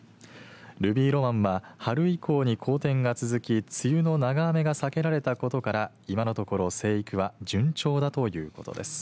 ルビーロマンは春以降に好天が続き梅雨の長雨が避けられたことから今のところ生育は順調だということです。